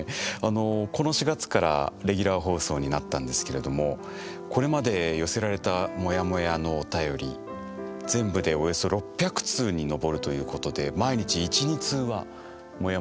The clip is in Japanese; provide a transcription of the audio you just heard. この４月からレギュラー放送になったんですけれどもこれまで寄せられたモヤモヤのお便り全部でおよそ６００通に上るということで毎日１２通はモヤモヤが届いている。